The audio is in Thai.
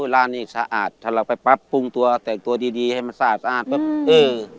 ร้านนี้สะอาดถ้าเราไปปั๊บปรุงตัวแต่งตัวดีดีให้มันสะอาดปุ๊บเออ